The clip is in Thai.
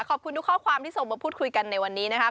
ขอบคุณทุกข้อความที่ส่งมาพูดคุยกันในวันนี้นะครับ